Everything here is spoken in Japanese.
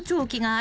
あ。